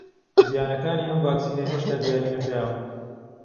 زیانەکانی ئەم ڤاکسینە هێشتا دیاری نەکراوە